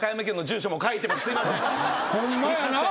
ホンマやな！